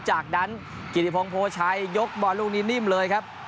จากนั้นกิติพงศ์ชัยยกบอลลูกนี้นิ่มเลยครับ